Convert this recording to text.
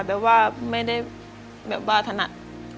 แต่ว่าไม่ได้ว่าถนัด